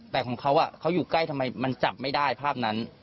แต่ของเขาเขาอยู่ใกล้ทำไมมันจับไม่ได้ภาพนั้น